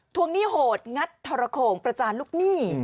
วงหนี้โหดงัดทรโขงประจานลูกหนี้